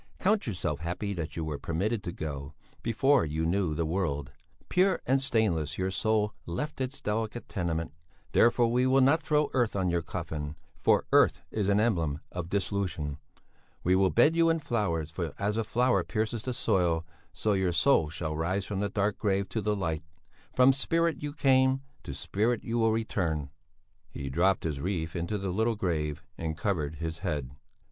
Count yourself happy that you were permitted to go, before you knew the world; pure and stainless your soul left its delicate tenement; therefore we will not throw earth on your coffin, for earth is an emblem of dissolution; we will bed you in flowers, for as a flower pierces the soil, so your soul shall rise from the dark grave to the light; from spirit you came, to spirit you will return." He dropped his wreath into the little grave and covered his head.